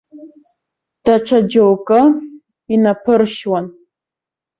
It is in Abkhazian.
Даҽа џьоукы инаԥыршьуан.